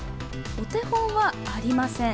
お手本はありません。